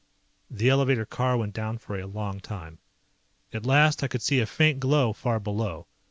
The elevator car went down for a long time. At last I could see a faint glow far below.